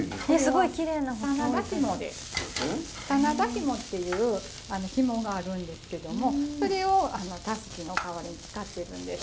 真田紐っていう紐があるんですけどもそれをたすきの代わりに使ってるんです。